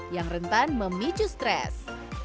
yang rentan memicu stres